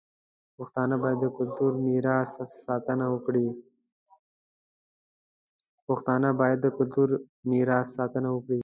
پښتانه باید د کلتوري میراث ساتنه وکړي.